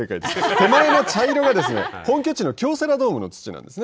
手前の茶色が本拠地の京セラドームの土なんですね。